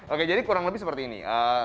oke jadi kurang lebih seperti ini